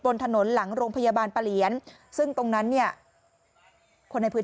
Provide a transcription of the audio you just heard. บนถนนหลังโรงพยาบาลปะเหลียนซึ่งตรงนั้นเนี่ยคนในพื้น